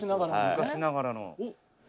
「昔ながらの」